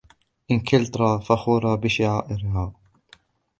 انكلترا فخورة بشعرائها.